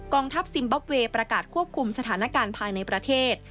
ทัพซิมบับเวย์ประกาศควบคุมสถานการณ์ภายในประเทศ